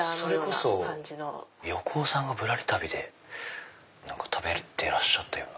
横尾さんが『ぶらり旅』で食べてらっしゃったような。